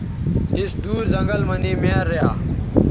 اِس دُور زنگل مہ نے میار ریا